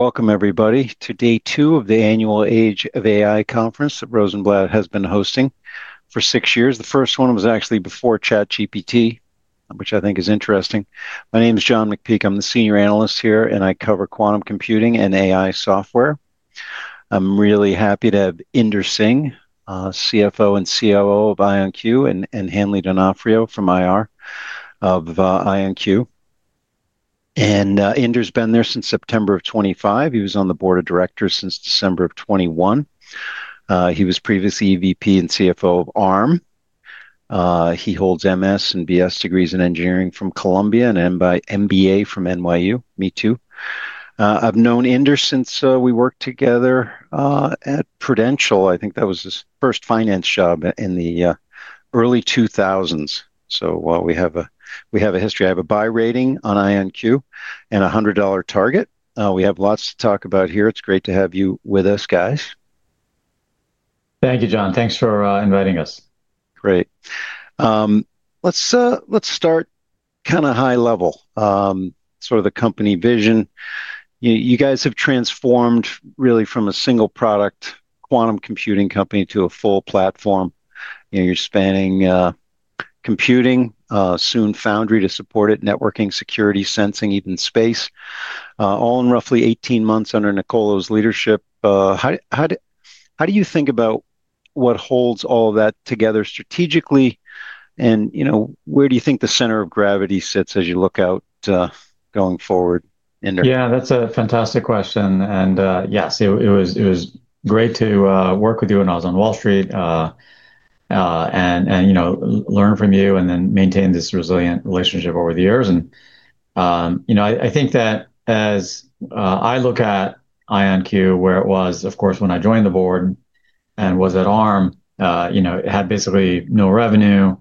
Welcome everybody to day two of the Annual Age of AI Conference that Rosenblatt has been hosting for six years. The first one was actually before ChatGPT, which I think is interesting. My name's John McPeake, I'm the senior analyst here, and I cover quantum computing and AI software. I'm really happy to have Inder Singh, CFO and COO of IonQ, and Hanley D'Onofrio from IR of IonQ. Inder's been there since September of 2025. He was on the board of directors since December of 2021. He was previously EVP and CFO of Arm. He holds M.S. and B.S. degrees in engineering from Columbia, and M.B.A. from NYU. Me too. I've known Inder since we worked together at Prudential. I think that was his first finance job in the early 2000s. While we have a history, I have a buy rating on IonQ and a $100 target. We have lots to talk about here. It's great to have you with us guys. Thank you, John. Thanks for inviting us. Great. Let's start kind of high level, sort of the company vision. You guys have transformed really from a single product quantum computing company to a full platform. You're spanning computing, soon foundry to support it, networking, security, sensing, even space, all in roughly 18 months under Niccolo's leadership. How do you think about what holds all that together strategically and where do you think the center of gravity sits as you look out, going forward, Inder? Yeah, that's a fantastic question. Yes, it was great to work with you when I was on Wall Street, and learn from you and then maintain this resilient relationship over the years. I think that as I look at IonQ, where it was, of course, when I joined the board and was at Arm, it had basically no revenue,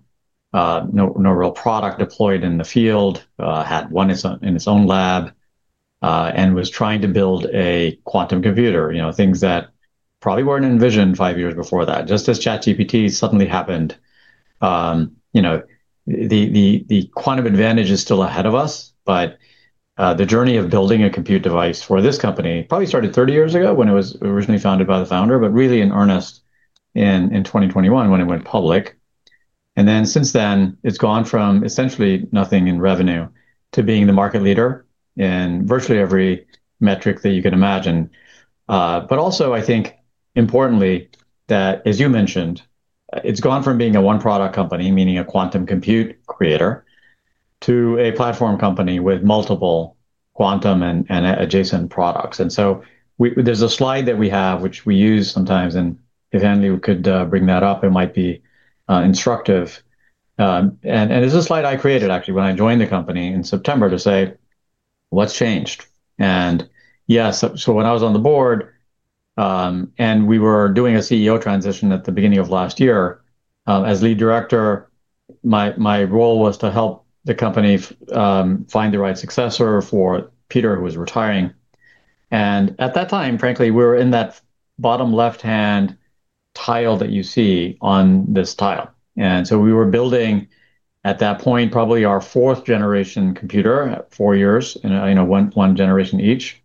no real product deployed in the field, had one in its own lab, and was trying to build a quantum computer. Things that probably weren't envisioned five years before that, just as ChatGPT suddenly happened. The quantum advantage is still ahead of us, but the journey of building a compute device for this company probably started 30 years ago when it was originally founded by the founder, but really in earnest in 2021 when it went public. Since then, it's gone from essentially nothing in revenue to being the market leader in virtually every metric that you can imagine. But also I think importantly that, as you mentioned, it's gone from being a one-product company, meaning a quantum compute creator, to a platform company with multiple quantum and adjacent products. There's a slide that we have, which we use sometimes, and if Hanley could bring that up, it might be instructive. It's a slide I created, actually, when I joined the company in September to say what's changed. When I was on the board, and we were doing a CEO transition at the beginning of last year, as lead director, my role was to help the company find the right successor for Peter, who was retiring. At that time, frankly, we were in that bottom left hand tile that you see on this tile. We were building, at that point, probably our fourth generation computer, four years, one generation each.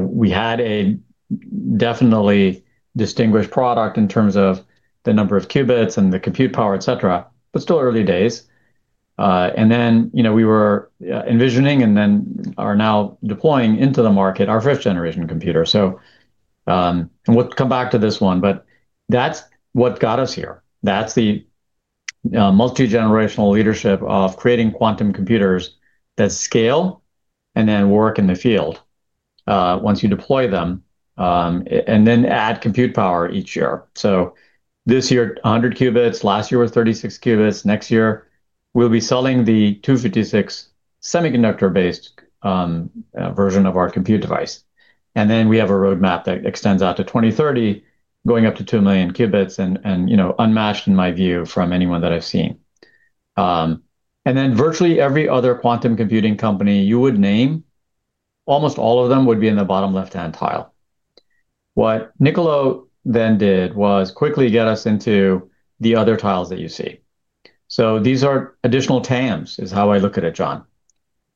We had a definitely distinguished product in terms of the number of qubits and the compute power, et cetera, but still early days. We were envisioning and then are now deploying into the market our fifth generation computer. We'll come back to this one, but that's what got us here. That's the multi-generational leadership of creating quantum computers that scale and then work in the field, once you deploy them, and then add compute power each year. This year, 100 qubits. Last year was 36 qubits. Next year, we'll be selling the 256 semiconductor-based version of our compute device. We have a roadmap that extends out to 2030, going up to 2 million qubits and unmatched in my view from anyone that I've seen. Virtually every other quantum computing company you would name, almost all of them would be in the bottom left-hand tile. What Niccolo then did was quickly get us into the other tiles that you see. These are additional TAMs is how I look at it, John.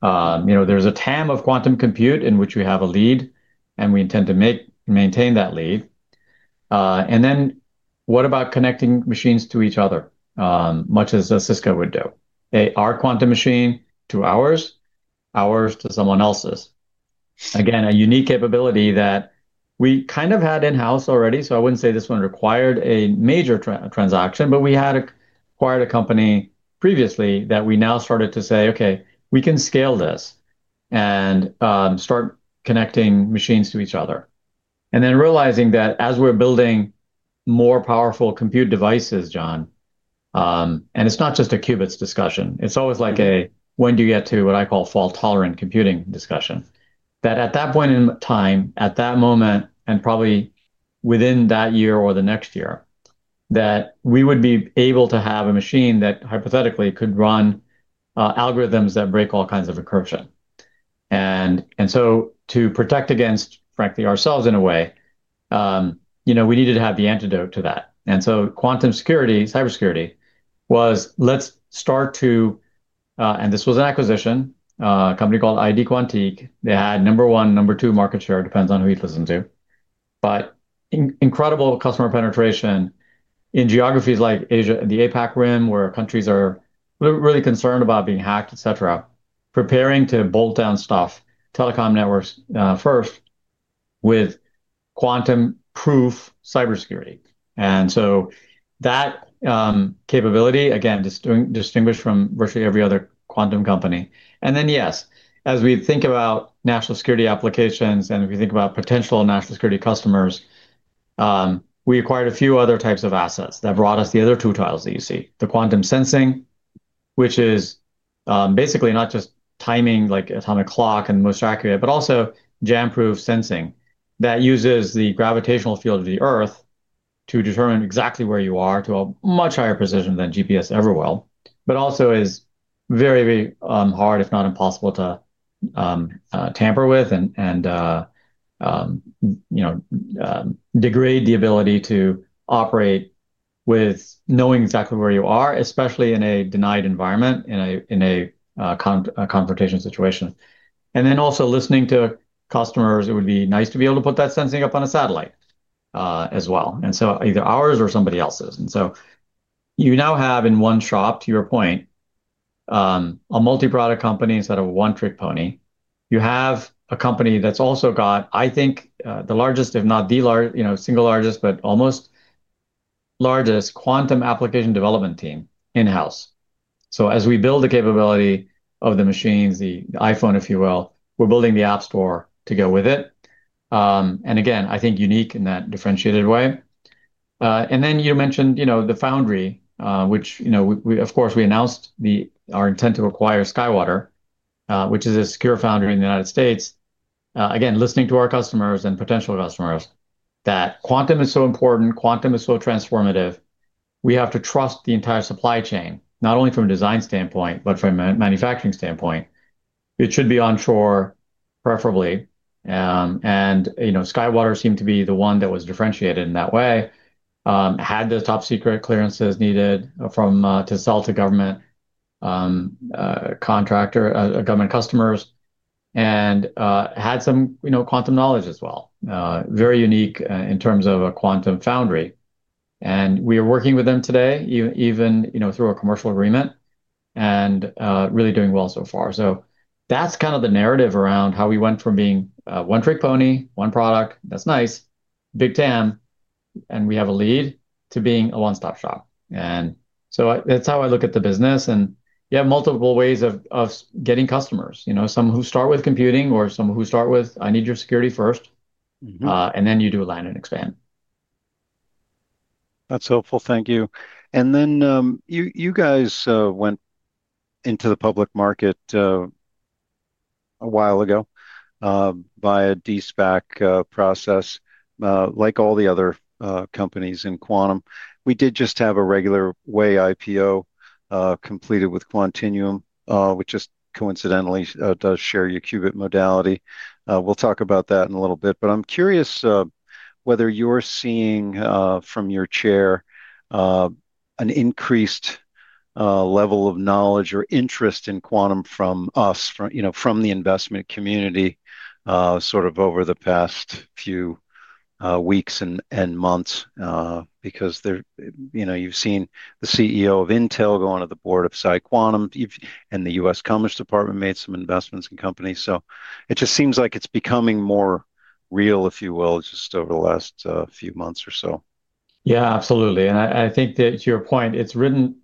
There's a TAM of quantum compute in which we have a lead, and we intend to maintain that lead. What about connecting machines to each other? Much as a Cisco would do. They are a quantum machine to ours to someone else's. A unique capability that we kind of had in-house already, I wouldn't say this one required a major transaction, but we had acquired a company previously that we now started to say, "Okay, we can scale this and start connecting machines to each other." Realizing that as we're building more powerful compute devices, John, it's not just a qubits discussion, it's always like a when do you get to what I call fault-tolerant computing discussion. At that point in time, at that moment, probably within that year or the next year, we would be able to have a machine that hypothetically could run algorithms that break all kinds of encryption. To protect against, frankly, ourselves in a way. We needed to have the antidote to that. Quantum security, cybersecurity was an acquisition, a company called ID Quantique. They had number one, number two market share, depends on who you listen to. Incredible customer penetration in geographies like Asia, the APAC rim, where countries are really concerned about being hacked, et cetera, preparing to bolt down stuff, telecom networks first, with quantum-proof cybersecurity. That capability, again, distinguished from virtually every other quantum company. Yes, as we think about national security applications and if we think about potential national security customers, we acquired a few other types of assets that brought us the other two tiles that you see. The quantum sensing, which is basically not just timing, like atomic clock and the most accurate, but also jam-proof sensing that uses the gravitational field of the Earth to determine exactly where you are to a much higher precision than GPS ever will, but also is very hard, if not impossible, to tamper with and degrade the ability to operate with knowing exactly where you are, especially in a denied environment, in a confrontation situation. Also listening to customers, it would be nice to be able to put that sensing up on a satellite as well. Either ours or somebody else's. You now have in one shop, to your point, a multi-product company instead of a one-trick pony. You have a company that's also got, I think, the largest, if not the single largest, but almost largest quantum application development team in-house. As we build the capability of the machines, the iPhone, if you will, we're building the App Store to go with it. Again, I think unique in that differentiated way. You mentioned the foundry, which of course, we announced our intent to acquire SkyWater, which is a secure foundry in the United States. Listening to our customers and potential customers, quantum is so important, quantum is so transformative, we have to trust the entire supply chain, not only from a design standpoint, but from a manufacturing standpoint. It should be on shore, preferably. SkyWater seemed to be the one that was differentiated in that way, had those top-secret clearances needed to sell to government contractor, government customers, and had some quantum knowledge as well. Very unique in terms of a quantum foundry. We are working with them today, even through a commercial agreement, and really doing well so far. That's the narrative around how we went from being a one-trick pony, one product that's nice, big TAM, and we have a lead, to being a one-stop shop. That's how I look at the business, and you have multiple ways of getting customers. Some who start with computing or some who start with, "I need your security first," and then you do a land and expand. That's helpful. Thank you. You guys went into the public market a while ago, via a de-SPAC process, like all the other companies in Quantum. We did just have a regular way IPO, completed with Quantinuum, which just coincidentally does share your qubit modality. We'll talk about that in a little bit, but I'm curious whether you're seeing from your chair an increased level of knowledge or interest in quantum from us, from the investment community, over the past few weeks and months. Because you've seen the CEO of Intel going to the board of PsiQuantum, and the U.S. Department of Commerce made some investments in companies. It just seems like it's becoming more real, if you will, just over the last few months or so. Yeah, absolutely. I think that to your point, it's risen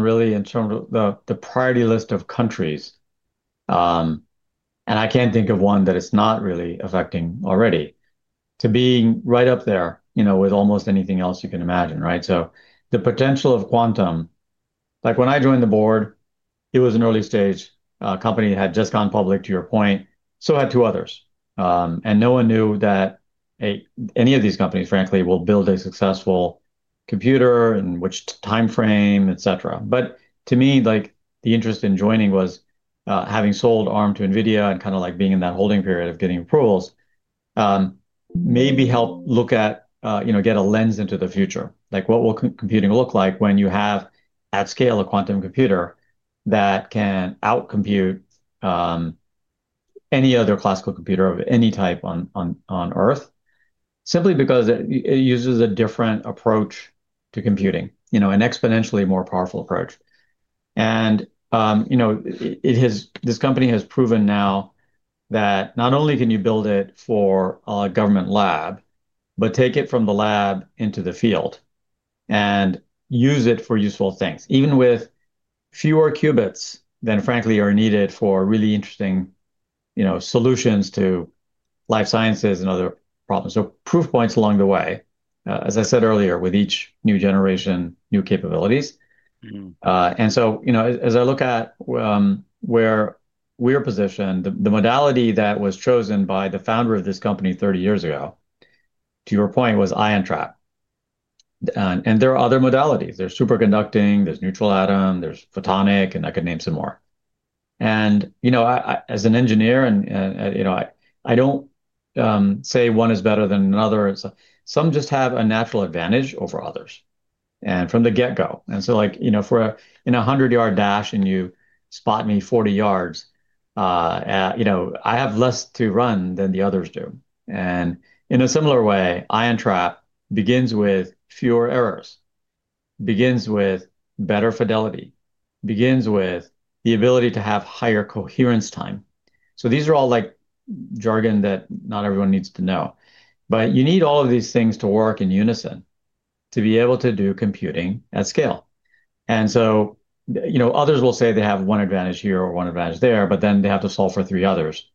really in terms of the priority list of countries. I can't think of one that it's not really affecting already to being right up there, with almost anything else you can imagine, right? The potential of quantum, like when I joined the board, it was an early stage. Company had just gone public, to your point, so had two others. No one knew that any of these companies, frankly, will build a successful computer and which timeframe, et cetera. To me, the interest in joining was having sold Arm to NVIDIA and being in that holding period of getting approvals, maybe help look at, get a lens into the future. Like what will computing look like when you have, at scale, a quantum computer that can out-compute any other classical computer of any type on Earth, simply because it uses a different approach to computing, an exponentially more powerful approach. This company has proven now that not only can you build it for a government lab, but take it from the lab into the field and use it for useful things, even with fewer qubits than frankly are needed for really interesting solutions to life sciences and other problems. Proof points along the way, as I said earlier, with each new generation, new capabilities. As I look at where we're positioned, the modality that was chosen by the founder of this company 30 years ago, to your point, was ion trap. There are other modalities. There's superconducting, there's neutral atom, there's photonic, I could name some more. As an engineer, I don't say one is better than another. Some just have a natural advantage over others from the get-go. For, in a 100-yard dash and you spot me 40 yards, I have less to run than the others do. In a similar way, ion trap begins with fewer errors, begins with better fidelity, begins with the ability to have higher coherence time. These are all jargon that not everyone needs to know. You need all of these things to work in unison to be able to do computing at scale. Others will say they have one advantage here or one advantage there, but then they have to solve for three others.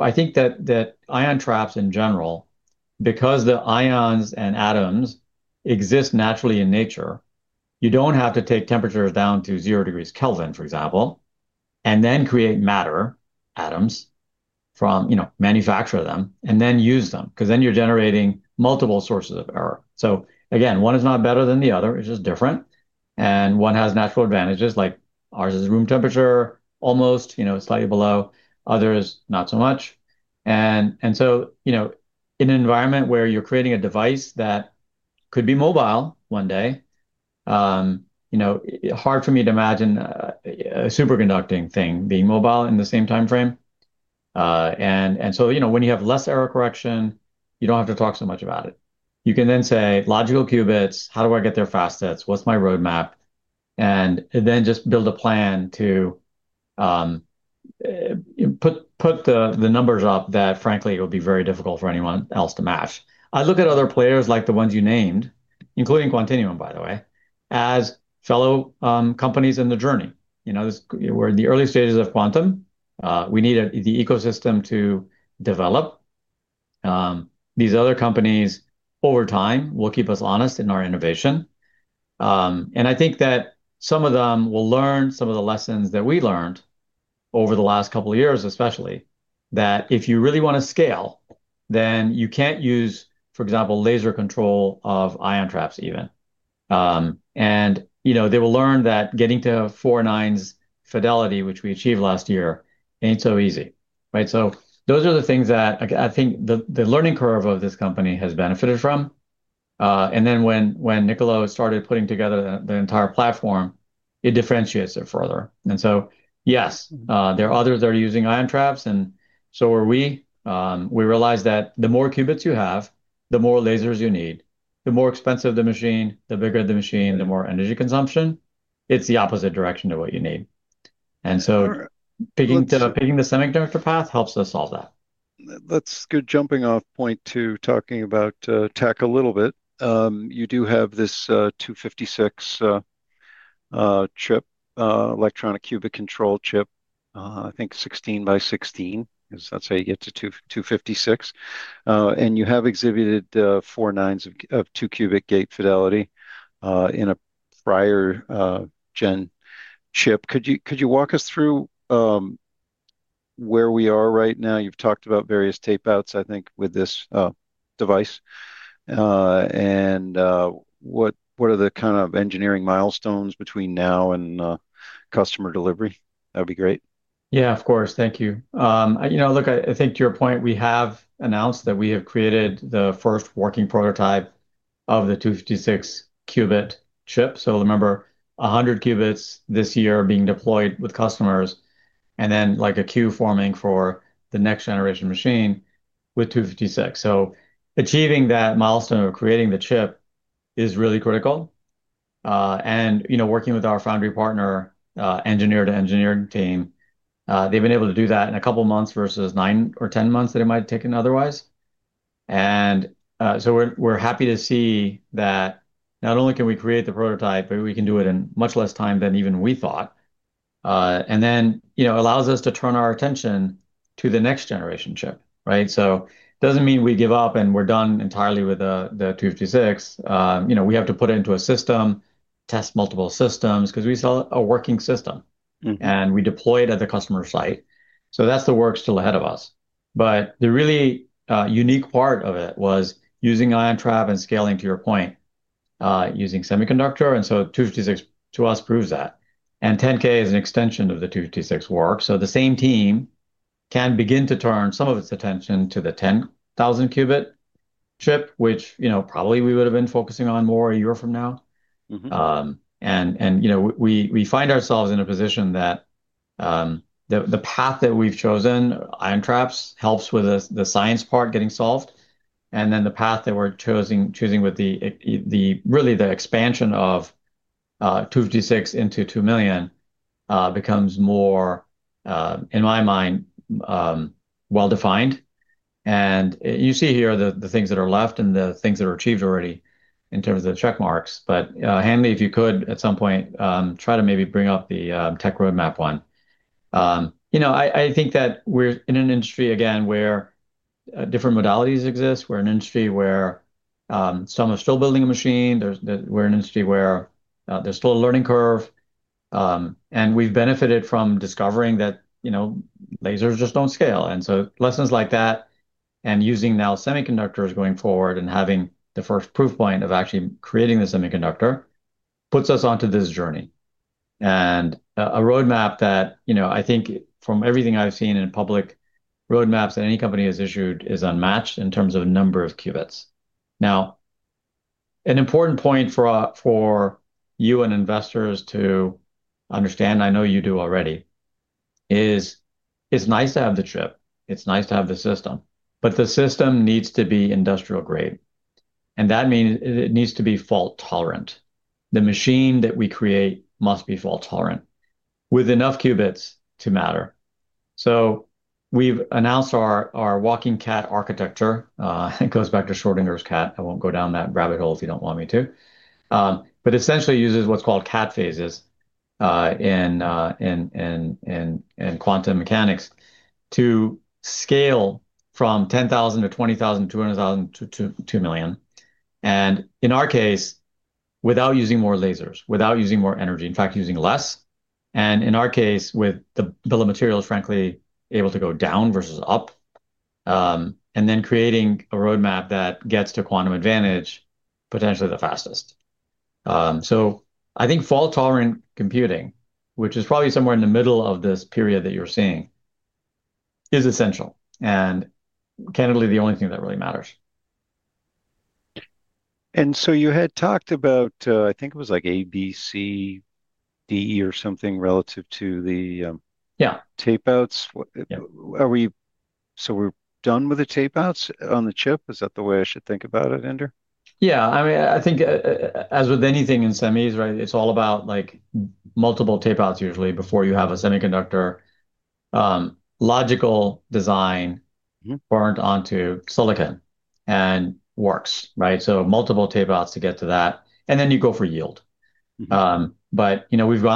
I think that ion traps in general, because the ions and atoms exist naturally in nature, you don't have to take temperature down to zero degrees Kelvin, for example, then create matter atoms, manufacture them and then use them, because then you're generating multiple sources of error. Again, one is not better than the other, it's just different. One has natural advantages, like ours is room temperature, almost, slightly below. Others, not so much. In an environment where you're creating a device that could be mobile one day, hard for me to imagine a superconducting thing being mobile in the same timeframe. When you have less error correction, you don't have to talk so much about it. You can say, "Logical qubits, how do I get there fast? What's my roadmap?" Just build a plan to put the numbers up that frankly, it would be very difficult for anyone else to match. I look at other players, like the ones you named, including Quantinuum, by the way, as fellow companies in the journey. We're in the early stages of quantum. We need the ecosystem to develop. These other companies, over time, will keep us honest in our innovation. I think that some of them will learn some of the lessons that we learned over the last couple of years, especially, that if you really want to scale, you can't use, for example, laser control of ion traps even. They will learn that getting to four-nines fidelity, which we achieved last year, ain't so easy, right? Those are the things that I think the learning curve of this company has benefited from. When Niccolo started putting together the entire platform, it differentiates it further. Yes, there are others that are using ion traps, so are we. We realize that the more qubits you have, the more lasers you need, the more expensive the machine, the bigger the machine, the more energy consumption. It's the opposite direction to what you need. All right. Picking the semiconductor path helps us solve that. That's a good jumping off point to talking about tech a little bit. You do have this 256 chip, electronic qubit control chip, I think 16 by 16, because that's how you get to 256. You have exhibited four-nines of two-qubit gate fidelity in a prior-gen chip. Could you walk us through where we are right now? You've talked about various tape outs, I think, with this device. What are the kind of engineering milestones between now and customer delivery? That'd be great. Yeah, of course. Thank you. I think to your point, we have announced that we have created the first working prototype of the 256-qubit chip. Remember, 100 qubits this year are being deployed with customers, and then a queue forming for the next generation machine with 256. Achieving that milestone of creating the chip is really critical. Working with our foundry partner, engineer-to-engineer team, they've been able to do that in a couple of months versus nine or 10 months that it might've taken otherwise. We're happy to see that not only can we create the prototype, but we can do it in much less time than even we thought. It allows us to turn our attention to the next generation chip, right? It doesn't mean we give up and we're done entirely with the 256. We have to put it into a system, test multiple systems, because we sell a working system. We deploy it at the customer site. That's the work still ahead of us. The really unique part of it was using ion trap and scaling to your point, using semiconductor. 256, to us, proves that. 10K is an extension of the 256 work, so the same team can begin to turn some of its attention to the 10,000 qubit chip, which probably we would've been focusing on more a year from now. We find ourselves in a position that the path that we've chosen, ion traps, helps with the science part getting solved. The path that we're choosing with the, really the expansion of 256 into 2 million, becomes more, in my mind, well-defined. You see here the things that are left and the things that are achieved already in terms of the check marks. Hanley, if you could, at some point, try to maybe bring up the tech roadmap one. I think that we're in an industry, again, where different modalities exist. We're an industry where some are still building a machine. We're an industry where there's still a learning curve. We've benefited from discovering that lasers just don't scale. Lessons like that and using now semiconductors going forward and having the first proof point of actually creating the semiconductor puts us onto this journey. A roadmap that I think from everything I've seen in public roadmaps that any company has issued is unmatched in terms of number of qubits. An important point for you and investors to understand, I know you do already, is it's nice to have the chip, it's nice to have the system, but the system needs to be industrial grade, and that means it needs to be fault-tolerant. The machine that we create must be fault-tolerant with enough qubits to matter. We've announced our walking cat architecture. It goes back to Schrödinger's cat. I won't go down that rabbit hole if you don't want me to. Essentially uses what's called cat states in quantum mechanics to scale from 10,000 to 20,000 to 200,000 to 2 million. In our case, without using more lasers, without using more energy, in fact, using less, and in our case, with the bill of materials, frankly, able to go down versus up, and then creating a roadmap that gets to quantum advantage potentially the fastest. I think fault-tolerant computing, which is probably somewhere in the middle of this period that you're seeing, is essential and candidly the only thing that really matters. You had talked about, I think it was like A, B, C, D, or something relative to the- Yeah. ...tape outs. Yeah. We're done with the tape outs on the chip? Is that the way I should think about it, Inder? Yeah. I think as with anything in semis, it's all about multiple tape outs usually before you have a semiconductor logical design burnt onto silicon and works. Multiple tape outs to get to that, you go for yield. We've gone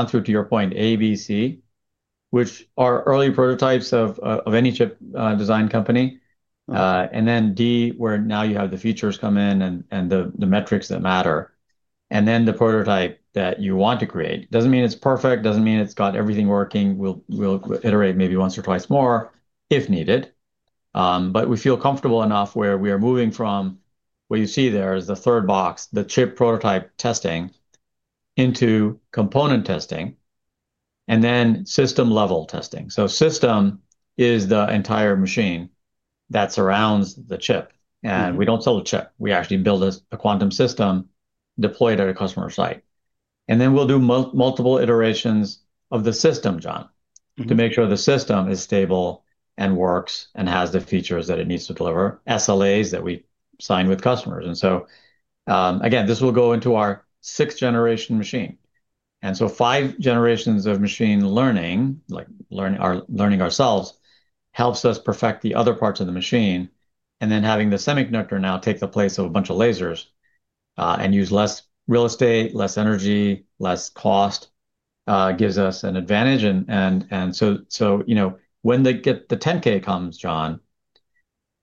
through, to your point, A, B, C, which are early prototypes of any chip design company. D, where now you have the features come in and the metrics that matter, the prototype that you want to create. Doesn't mean it's perfect, doesn't mean it's got everything working. We'll iterate maybe once or twice more if needed. We feel comfortable enough where we are moving from what you see there as the third box, the chip prototype testing, into component testing, system level testing. System is the entire machine that surrounds the chip. We don't sell the chip. We actually build a quantum system deployed at a customer site. We'll do multiple iterations of the system, John- ...to make sure the system is stable and works and has the features that it needs to deliver, SLAs that we sign with customers. Again, this will go into our sixth-generation machine. Five generations of machine learning, like learning ourselves, helps us perfect the other parts of the machine, then having the semiconductor now take the place of a bunch of lasers and use less real estate, less energy, less cost gives us an advantage. When the 10K comes, John,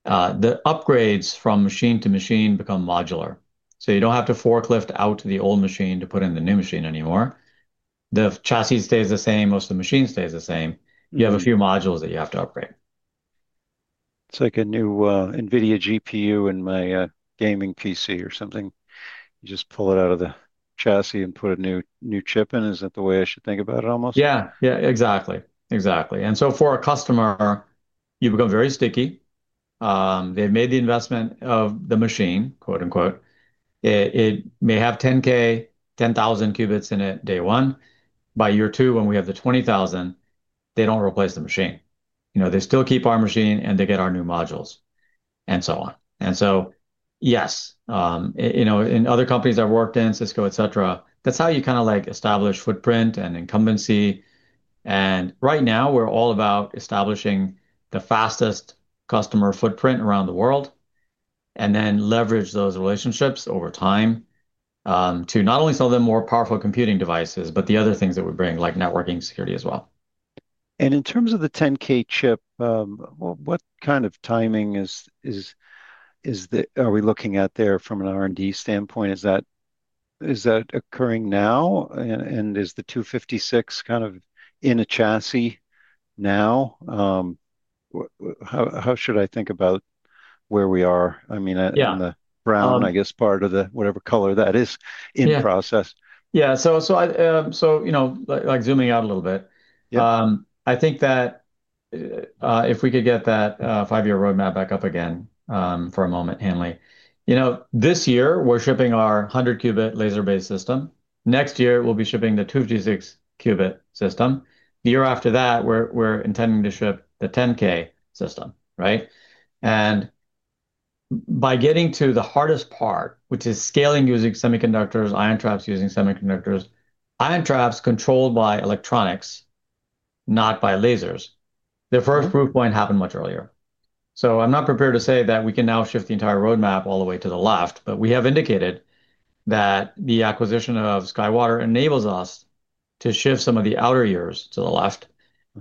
the upgrades from machine to machine become modular, so you don't have to forklift out the old machine to put in the new machine anymore. The chassis stays the same, most of the machine stays the same. You have a few modules that you have to upgrade. It's like a new NVIDIA GPU in my gaming PC or something. You just pull it out of the chassis and put a new chip in. Is that the way I should think about it almost? Exactly. For a customer, you become very sticky. "They've made the investment of the machine." It may have 10,000 qubits in it day one. By year two when we have the 20,000, they don't replace the machine. They still keep our machine and they get our new modules and so on. Yes. In other companies I've worked in, Cisco, et cetera, that's how you establish footprint and incumbency. Right now we're all about establishing the fastest customer footprint around the world and then leverage those relationships over time to not only sell them more powerful computing devices, but the other things that we bring like networking security as well. In terms of the 10K chip, what kind of timing are we looking at there from an R&D standpoint? Is that occurring now? Is the 256 kind of in a chassis now? How should I think about where we are in the brown, I guess, part of the whatever color that is in process? Yeah. Zooming out a little bit. Yeah. I think that if we could get that five-year roadmap back up again for a moment, Hanley. This year we're shipping our 100 qubit laser-based system. Next year we'll be shipping the 256 qubit system. The year after that we're intending to ship the 10K system. By getting to the hardest part, which is scaling using semiconductors, ion traps using semiconductors, ion traps controlled by electronics, not by lasers, the first proof point happened much earlier. I'm not prepared to say that we can now shift the entire roadmap all the way to the left, but we have indicated that the acquisition of SkyWater enables us to shift some of the outer years to the left.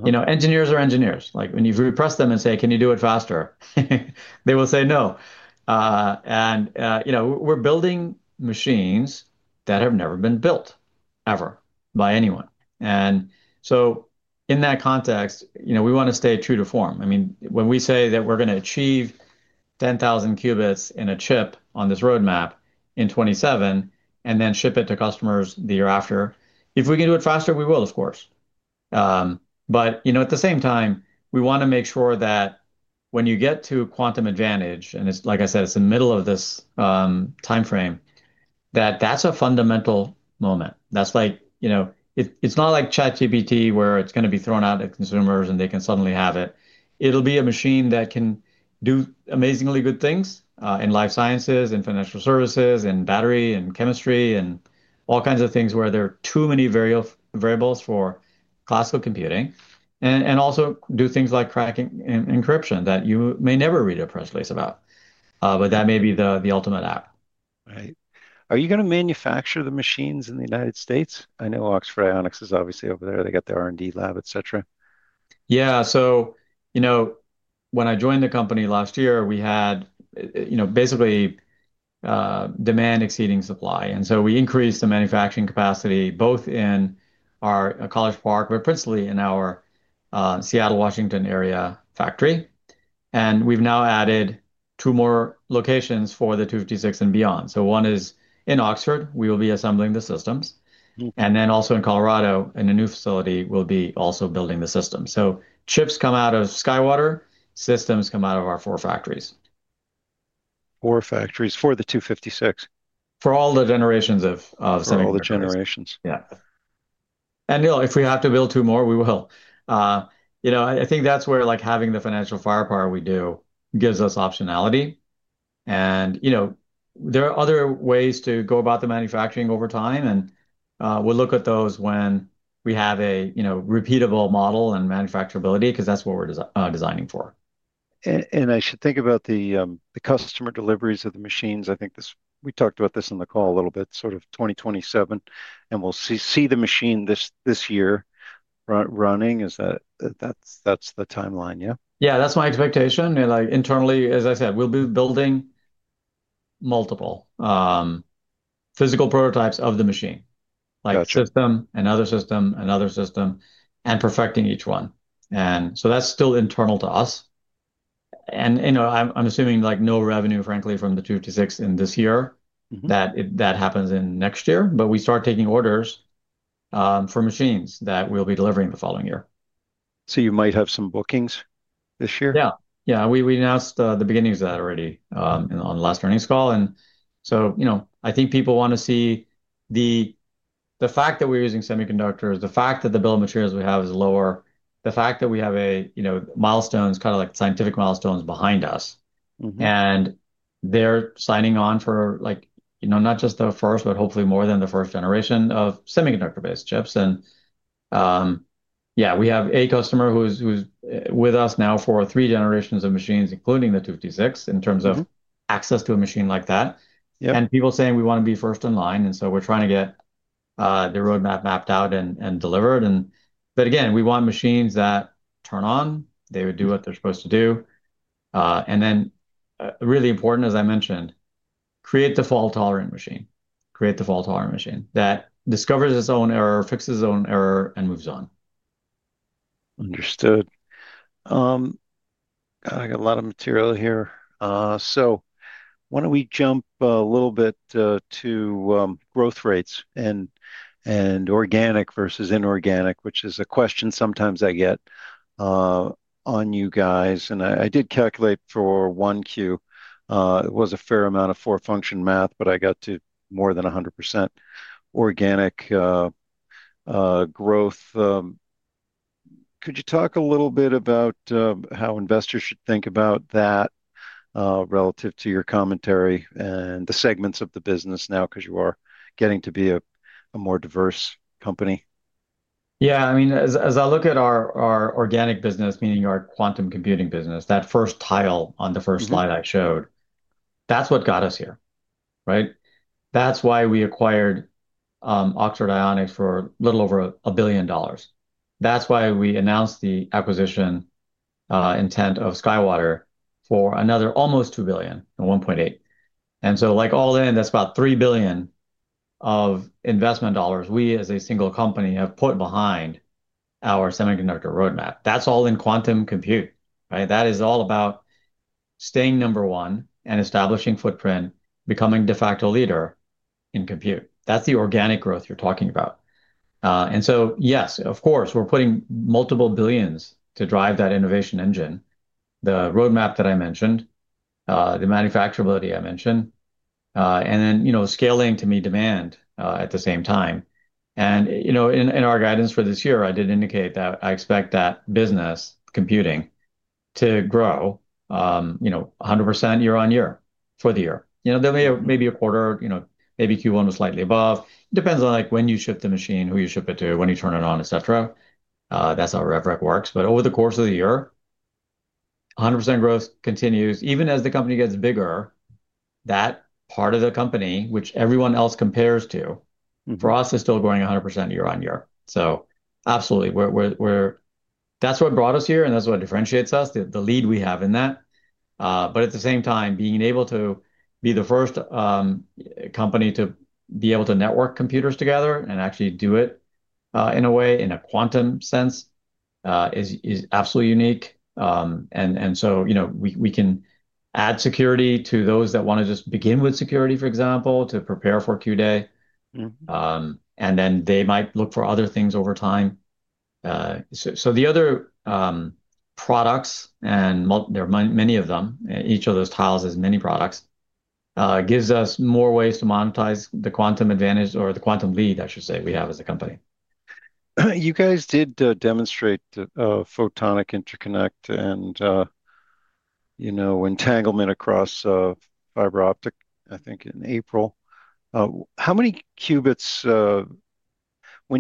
Engineers are engineers. When you press them and say, "Can you do it faster?" They will say no. We're building machines that have never been built. Ever by anyone. In that context, we want to stay true to form. When we say that we're going to achieve 10,000 qubits in a chip on this roadmap in 2027 and then ship it to customers the year after, if we can do it faster, we will, of course. At the same time, we want to make sure that when you get to quantum advantage, and like I said, it's the middle of this timeframe, that that's a fundamental moment. It's not like ChatGPT, where it's going to be thrown out at consumers, and they can suddenly have it. It'll be a machine that can do amazingly good things, in life sciences and financial services and battery and chemistry and all kinds of things where there are too many variables for classical computing, also do things like cracking encryption that you may never read a press release about. But that may be the ultimate app. Right. Are you going to manufacture the machines in the United States? I know Oxford Ionics is obviously over there. They got their R&D lab, et cetera. When I joined the company last year, we had basically demand exceeding supply, we increased the manufacturing capacity, both in our College Park, but principally in our Seattle, Washington area factory. We've now added two more locations for the 256 and beyond. One is in Oxford, we will be assembling the systems. Also in Colorado, in a new facility, we'll be also building the system. Chips come out of SkyWater, systems come out of our four factories. Four factories for the 256. For all the generations of semiconductors. For all the generations. Yeah. If we have to build two more, we will. I think that's where having the financial firepower we do gives us optionality. There are other ways to go about the manufacturing over time, and we'll look at those when we have a repeatable model and manufacturability, because that's what we're designing for. I should think about the customer deliveries of the machines. I think we talked about this on the call a little bit, sort of 2027. We'll see the machine this year running. That's the timeline, yeah? Yeah, that's my expectation. Internally, as I said, we'll be building multiple physical prototypes of the machine. Got you. Like system, another system, another system, and perfecting each one. That's still internal to us. I'm assuming no revenue, frankly, from the 256 in this year. That happens in next year, we start taking orders for machines that we'll be delivering the following year. You might have some bookings this year? Yeah. We announced the beginnings of that already on the last earnings call. I think people want to see the fact that we're using semiconductors, the fact that the bill of materials we have is lower, the fact that we have milestones, kind of like scientific milestones behind us. They're signing on for not just the first, but hopefully more than the first generation of semiconductor-based chips. Yeah, we have a customer who's with us now for three generations of machines, including the 256- ...in terms of access to a machine like that. Yep. People saying we want to be first in line, we're trying to get their roadmap mapped out and delivered. Again, we want machines that turn on, they would do what they're supposed to do. Really important, as I mentioned, create the fault-tolerant machine. Create the fault-tolerant machine that discovers its own error, fixes its own error, and moves on. Understood. I got a lot of material here. Why don't we jump a little bit to growth rates and organic versus inorganic, which is a question sometimes I get on you guys. I did calculate for 1Q, it was a fair amount of four-function math, but I got to more than 100% organic growth. Could you talk a little bit about how investors should think about that, relative to your commentary and the segments of the business now because you are getting to be a more diverse company? Yeah. As I look at our organic business, meaning our quantum computing business, that first tile on the first slide I showed, that's what got us here, right? That's why we acquired Oxford Ionics for a little over a billion dollars. That's why we announced the acquisition intent of SkyWater for another almost $2 billion, or $1.8. All in, that's about $3 billion of investment dollars we, as a single company, have put behind our semiconductor roadmap. That's all in quantum computing, right? That is all about staying number one and establishing footprint, becoming de facto leader in compute. That's the organic growth you're talking about. Yes, of course, we're putting multiple billions to drive that innovation engine. The roadmap that I mentioned, the manufacturability I mentioned, and then scaling to meet demand at the same time. In our guidance for this year, I did indicate that I expect that business, computing, to grow 100% year-on-year for the year. There may be a quarter, maybe Q1 was slightly above. Depends on when you ship the machine, who you ship it to, when you turn it on, et cetera. That's how rev rec works. Over the course of the year, 100% growth continues. Even as the company gets bigger, that part of the company, which everyone else compares to- ...for us is still growing 100% year-on-year. Absolutely, we're. That's what brought us here, and that's what differentiates us, the lead we have in that. At the same time, being able to be the first company to be able to network computers together and actually do it in a way, in a quantum sense, is absolutely unique. We can add security to those that want to just begin with security, for example, to prepare for Q-Day. They might look for other things over time. The other products, and there are many of them, each of those tiles is many products, gives us more ways to monetize the quantum advantage or the quantum lead, I should say, we have as a company. You guys did demonstrate photonic interconnect and entanglement across fiber optic, I think, in April. When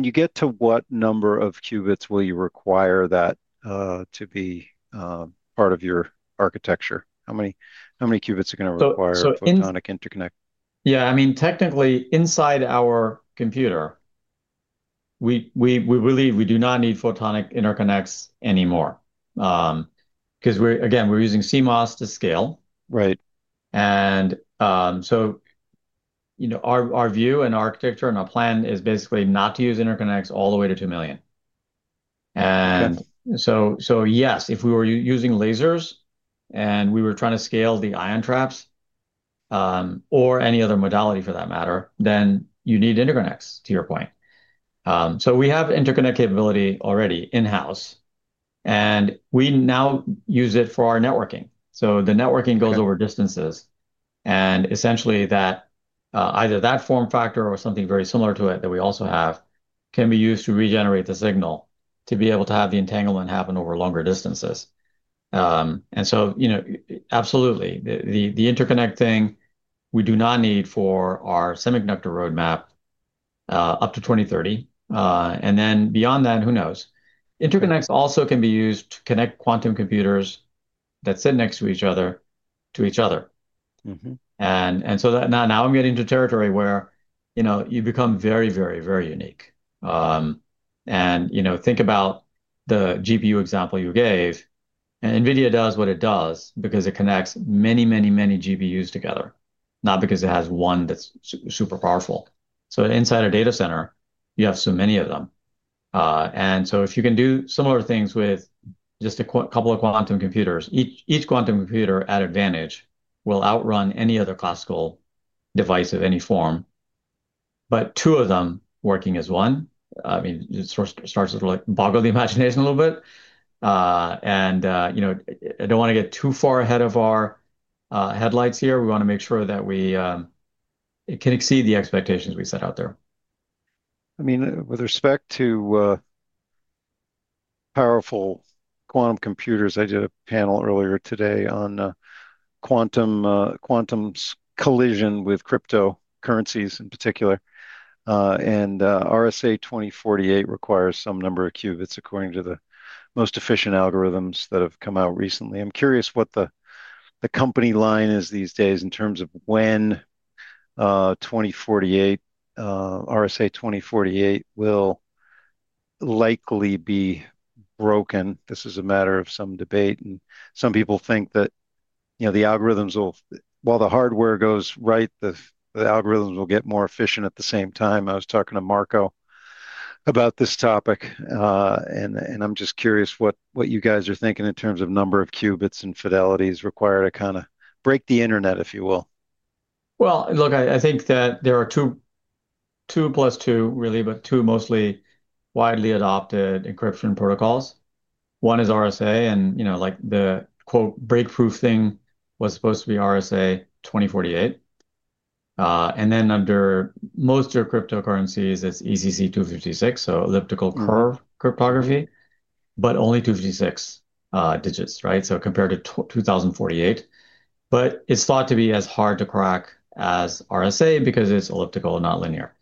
you get to what number of qubits will you require that to be part of your architecture? How many qubits are going to require- So in- ...photonic interconnect? Yeah. Technically, inside our computer, we believe we do not need photonic interconnects anymore, because, again, we're using CMOS to scale. Right. Our view and architecture and our plan is basically not to use interconnects all the way to 2 million. Okay. Yes, if we were using lasers and we were trying to scale the ion traps, or any other modality for that matter, then you need interconnects, to your point. We have interconnect capability already in-house, and we now use it for our networking. The networking goes over distances, and essentially either that form factor or something very similar to it that we also have, can be used to regenerate the signal to be able to have the entanglement happen over longer distances. Absolutely, the interconnect thing we do not need for our semiconductor roadmap up to 2030. Beyond that, who knows? Interconnects also can be used to connect quantum computers that sit next to each other to each other. Now I'm getting to territory where you become very unique. Think about the GPU example you gave, NVIDIA does what it does because it connects many GPUs together, not because it has one that's super powerful. Inside a data center, you have so many of them. If you can do similar things with just a couple of quantum computers, each quantum computer, at advantage, will outrun any other classical device of any form. Two of them working as one, it sort of starts to boggle the imagination a little bit. I don't want to get too far ahead of our headlights here. We want to make sure that it can exceed the expectations we set out there. With respect to powerful quantum computers, I did a panel earlier today on quantum's collision with cryptocurrencies in particular, RSA 2048 requires some number of qubits according to the most efficient algorithms that have come out recently. I'm curious what the company line is these days in terms of when RSA 2048 will likely be broken. This is a matter of some debate, some people think that while the hardware goes right, the algorithms will get more efficient at the same time. I was talking to Marco about this topic, I'm just curious what you guys are thinking in terms of number of qubits and fidelities required to break the internet, if you will. Well, look, I think that there are two plus two, really, but two mostly widely adopted encryption protocols. One is RSA and the, quote, "break-proof" thing was supposed to be RSA 2048. Under most of your cryptocurrencies, it's ECC 256, elliptic curve cryptography, but only 256 digits. Compared to 2048, it's thought to be as hard to crack as RSA because it's elliptical, not linear.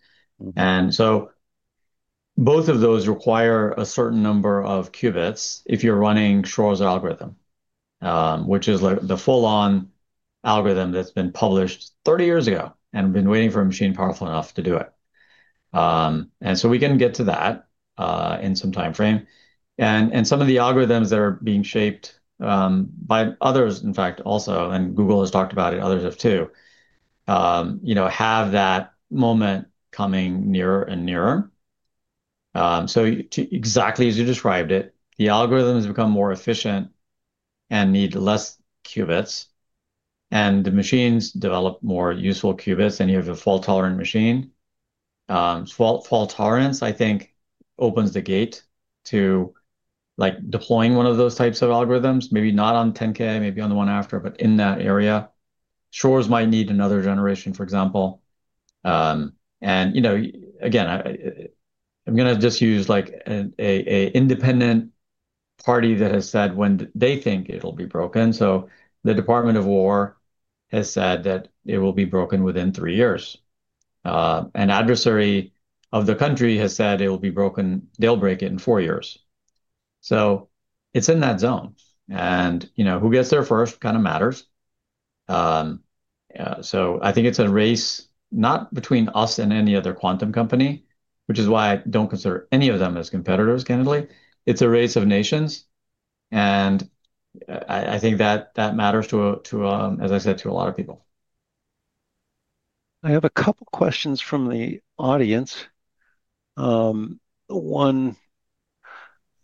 Both of those require a certain number of qubits if you're running Shor's algorithm, which is the full-on algorithm that's been published 30 years ago and been waiting for a machine powerful enough to do it. We can get to that in some timeframe. Some of the algorithms that are being shaped, by others, in fact also, Google has talked about it, others have too, have that moment coming nearer and nearer. Exactly as you described it, the algorithms become more efficient and need less qubits, and the machines develop more useful qubits, and you have a fault-tolerant machine. Fault tolerance, I think, opens the gate to deploying one of those types of algorithms, maybe not on 10K, maybe on the one after, but in that area. Shor's might need another generation, for example. Again, I'm going to just use a independent party that has said when they think it'll be broken. The Department of War has said that it will be broken within three years. An adversary of the country has said they'll break it in four years. It's in that zone, and who gets there first kind of matters. I think it's a race not between us and any other quantum company, which is why I don't consider any of them as competitors, candidly. It's a race of nations, and I think that matters, as I said, to a lot of people. I have a couple questions from the audience. One,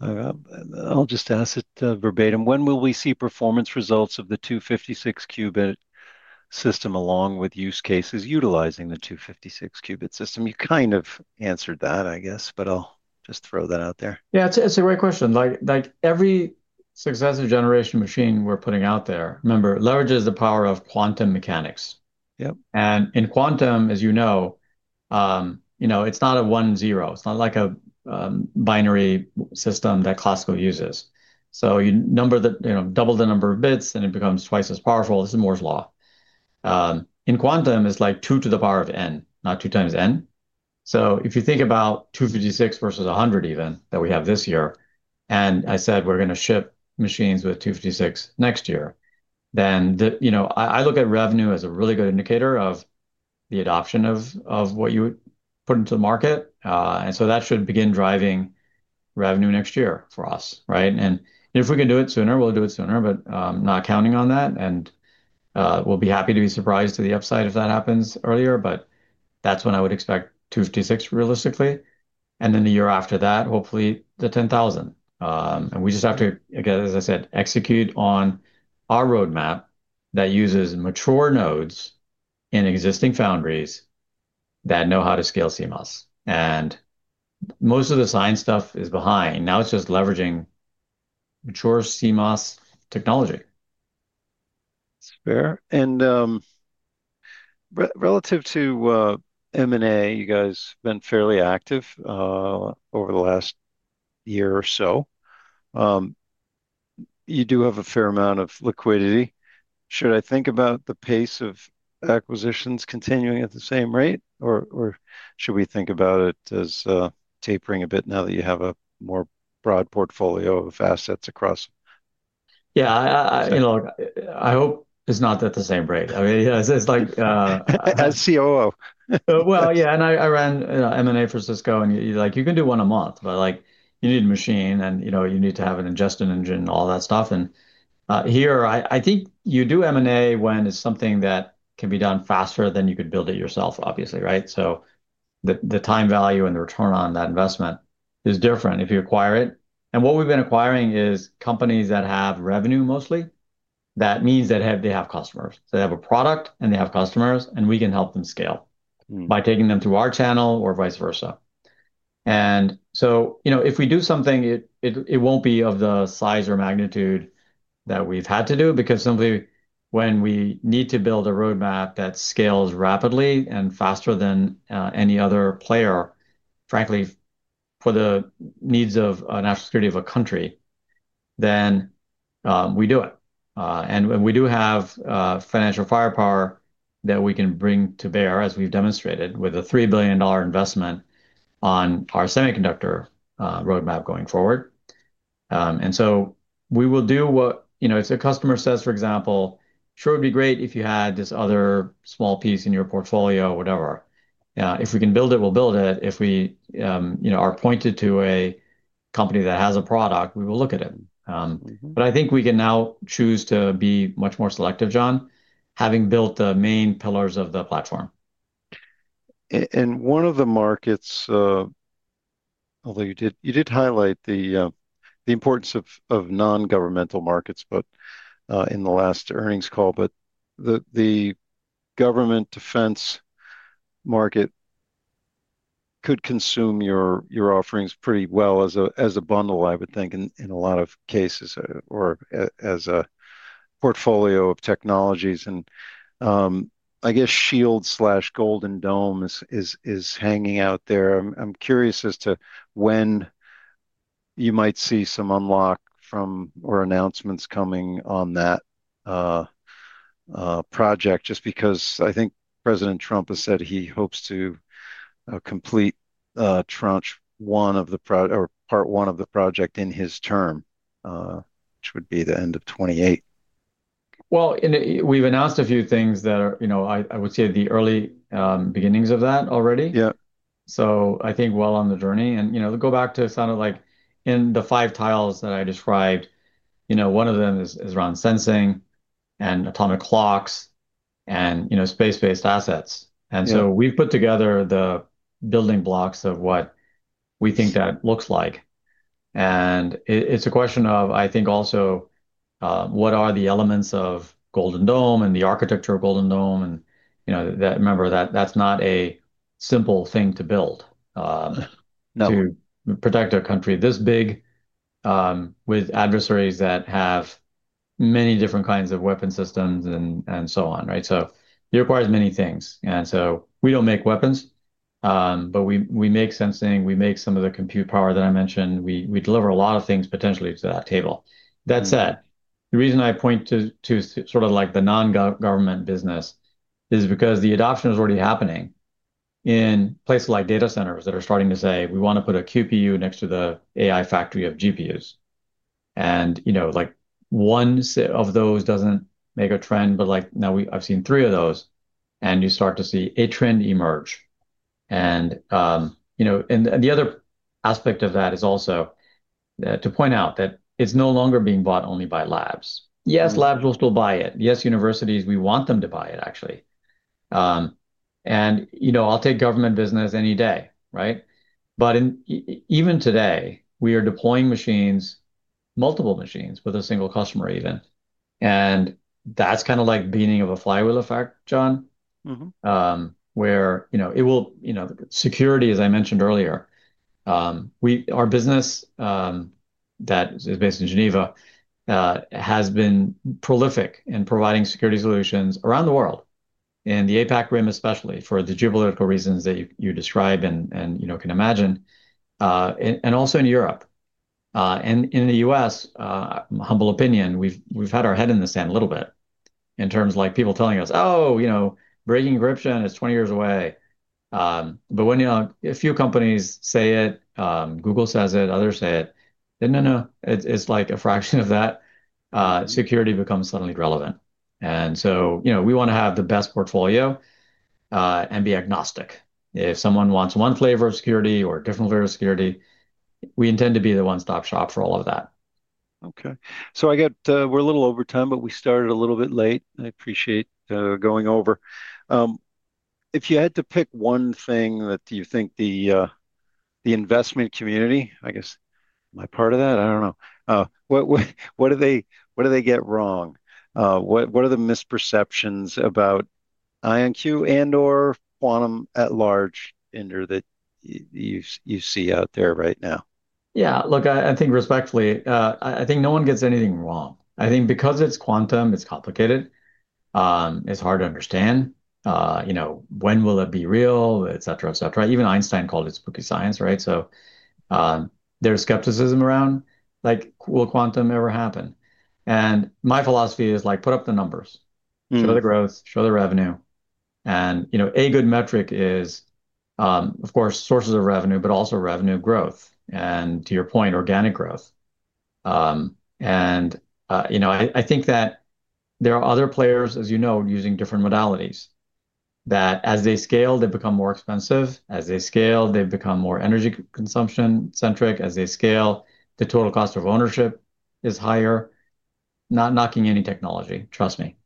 I'll just ask it verbatim. When will we see performance results of the 256 qubit system along with use cases utilizing the 256 qubit system? You kind of answered that, I guess, but I'll just throw that out there. Yeah. It's a great question. Every successive generation machine we're putting out there, remember, leverages the power of quantum mechanics. Yep. In quantum, as you know, it's not a one zero. It's not like a binary system that classical uses. You double the number of bits and it becomes twice as powerful. This is Moore's law. In quantum, it's like two to the power of N, not two times N. If you think about 256 versus 100 even, that we have this year, I said we're going to ship machines with 256 next year. I look at revenue as a really good indicator of the adoption of what you would put into the market. That should begin driving revenue next year for us, right? If we can do it sooner, we'll do it sooner. I'm not counting on that, and we'll be happy to be surprised to the upside if that happens earlier. That's when I would expect 256 realistically, then the year after that, hopefully the 10,000. We just have to, again, as I said, execute on our roadmap that uses mature nodes in existing foundries that know how to scale CMOS. Most of the science stuff is behind. Now it's just leveraging mature CMOS technology. That's fair. Relative to M&A, you guys have been fairly active over the last year or so. You do have a fair amount of liquidity. Should I think about the pace of acquisitions continuing at the same rate, or should we think about it as tapering a bit now that you have a more broad portfolio of assets across? Yeah. I hope it's not at the same rate. As COO. Well, yeah, I ran M&A for Cisco, you can do one a month, but you need a machine and you need to have an ingestion engine and all that stuff. Here, I think you do M&A when it's something that can be done faster than you could build it yourself, obviously, right? The time value and the return on that investment is different if you acquire it. What we've been acquiring is companies that have revenue mostly. That means that they have customers. They have a product and they have customers, and we can help them scale- by taking them through our channel or vice versa. If we do something, it won't be of the size or magnitude that we've had to do, because simply when we need to build a roadmap that scales rapidly and faster than any other player, frankly, for the needs of a national security of a country, then we do it. We do have financial firepower that we can bring to bear, as we've demonstrated with a $3 billion investment on our semiconductor roadmap going forward. If a customer says, for example, "Sure, it would be great if you had this other small piece in your portfolio," whatever. If we can build it, we'll build it. If we are pointed to a company that has a product, we will look at it. I think we can now choose to be much more selective, John, having built the main pillars of the platform. One of the markets, although you did highlight the importance of non-governmental markets, but in the last earnings call. The government defense market could consume your offerings pretty well as a bundle, I would think, in a lot of cases or as a portfolio of technologies, and I guess SHIELD/Golden Dome is hanging out there. I'm curious as to when you might see some unlock from or announcements coming on that project, just because I think President Trump has said he hopes to complete part one of the project in his term, which would be the end of 2028. Well, we've announced a few things that are, I would say, the early beginnings of that already. Yeah. I think we're well on the journey and to go back to kind of like in the five tiles that I described, one of them is around sensing and atomic clocks and space-based assets. Yeah. We've put together the building blocks of what we think that looks like. It's a question of, I think, also what are the elements of Golden Dome and the architecture of Golden Dome, and remember that that's not a simple thing to build. No. It requires many things. We don't make weapons, but we make sensing, we make some of the compute power that I mentioned. We deliver a lot of things potentially to that table. That said, the reason I point to sort of like the non-government business is because the adoption is already happening. In places like data centers that are starting to say, "We want to put a QPU next to the AI factory of GPUs." One set of those doesn't make a trend, but now I've seen three of those, and you start to see a trend emerge. The other aspect of that is also to point out that it's no longer being bought only by labs. Yes, labs will still buy it. Yes, universities, we want them to buy it, actually. I'll take government business any day, right? Even today, we are deploying machines, multiple machines, with a single customer even, and that's like the beginning of a flywheel effect, John. Where security, as I mentioned earlier, our business that is based in Geneva has been prolific in providing security solutions around the world, in the APAC rim especially, for the geopolitical reasons that you describe and can imagine, and also in Europe. In the U.S., humble opinion, we've had our head in the sand a little bit in terms of people telling us, "Oh, breaking encryption is 20 years away." When a few companies say it, Google says it, others say it, then no, it's like a fraction of that, security becomes suddenly relevant. We want to have the best portfolio, and be agnostic. If someone wants one flavor of security or a different flavor of security, we intend to be the one-stop shop for all of that. Okay. We're a little overtime, we started a little bit late, and I appreciate going over. If you had to pick one thing that you think the investment community, I guess my part of that, I don't know, what do they get wrong? What are the misperceptions about IonQ and/or quantum at large, Inder, that you see out there right now? Yeah, look, I think respectfully, I think no one gets anything wrong. I think because it's quantum, it's complicated. It's hard to understand. When will it be real, et cetera. Even Einstein called it spooky science, right? There's skepticism around will quantum ever happen? My philosophy is put up the numbers. Show the growth, show the revenue. A good metric is, of course, sources of revenue, but also revenue growth. To your point, organic growth. I think that there are other players, as you know, using different modalities, that as they scale, they become more expensive. As they scale, they become more energy consumption centric. As they scale, the total cost of ownership is higher. Not knocking any technology, trust me.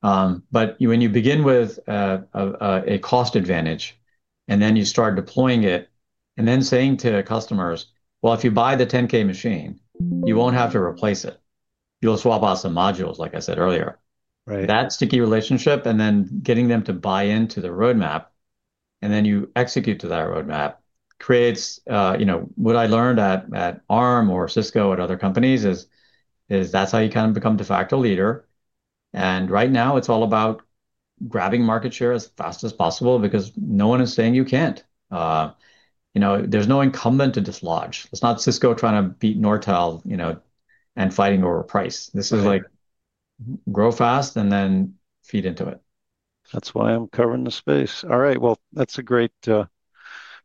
When you begin with a cost advantage, and then you start deploying it and then saying to customers, "Well, if you buy the 10K machine, you won't have to replace it. You'll swap out some modules," like I said earlier. Right. That sticky relationship, and then getting them to buy into the roadmap, and then you execute to that roadmap, creates what I learned at Arm or Cisco, at other companies, is that's how you become de facto leader. Right now, it's all about grabbing market share as fast as possible because no one is saying you can't. There's no incumbent to dislodge. It's not Cisco trying to beat Nortel and fighting over price. This is like grow fast and then feed into it. That's why I'm covering the space. All right, well, that's a great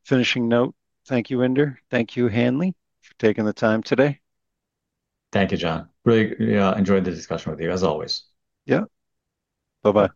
finishing note. Thank you, Inder. Thank you, Hanley, for taking the time today. Thank you, John. Really enjoyed the discussion with you, as always. Yeah. Bye-bye.